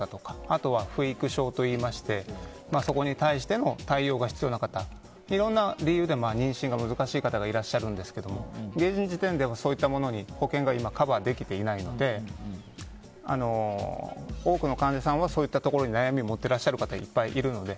あとは不育症といいましてそこに対しての対応が必要な方いろんな理由で妊娠が難しい方がいらっしゃるんですけども現時点ではそういったものに保険がカバーできていないので多くの患者さんはそういったところに悩みを持っていらっしゃる方がいっぱいいるので。